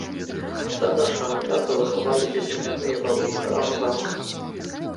Да нашага часу захаваліся земляныя валы і брама замка.